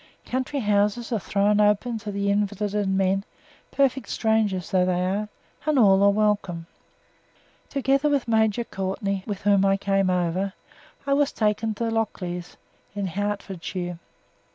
Country houses are thrown open to the invalided men, perfect strangers though they are, and all are welcome. Together with Major Courtenay (with whom I came over) I was taken to Lockleys, in Hertfordshire.